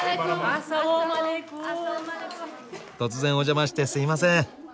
突然お邪魔してすいません。